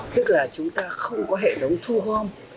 tức là chúng ta không có hệ thống thu gom